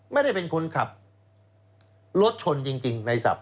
ไม่ได้เป็นคนขับรถชนจริงในศัพท